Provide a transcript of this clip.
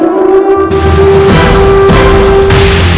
aku akan menang